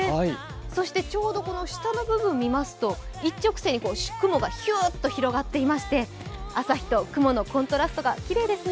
そしてちょうど下の部分見ますと、一直線に雲がヒュッと広がっていまして、朝日と雲のコントラストがきれいですね。